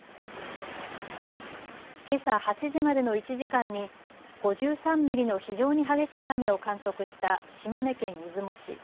けさ８時までの１時間に５３ミリの非常に激しい雨を観測した島根県出雲市。